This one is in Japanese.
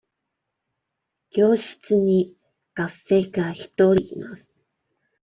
教室に学生が一人います。